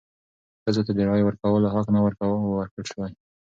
ښځو ته د رایې ورکولو حق نه و ورکړل شوی.